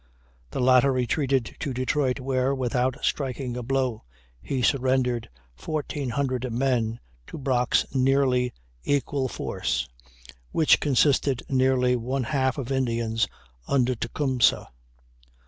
The latter retreated to Detroit, where, without striking a blow, he surrendered 1,400 men to Brock's nearly equal force, which consisted nearly one half of Indians under Tecumseh.